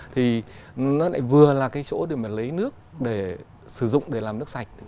thì nó lại vừa là cái chỗ để mà lấy nước để sử dụng để làm nước sạch